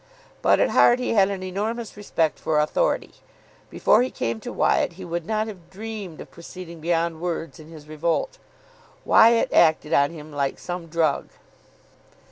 But at heart he had an enormous respect for authority. Before he came to Wyatt, he would not have dreamed of proceeding beyond words in his revolt. Wyatt acted on him like some drug.